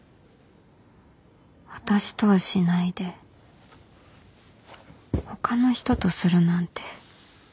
私とはしないで他の人とするなんて